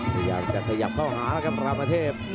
พยายามจะขยับเข้าหาแล้วครับรามเทพ